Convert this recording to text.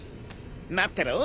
待ってろ。